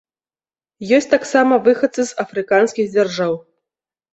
Ёсць таксама выхадцы з афрыканскіх дзяржаў.